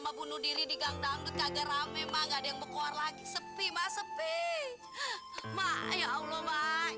mah bunuh diri di gang dangdut agak rame banget yang berkuar lagi sepi sepi mah ya allah mah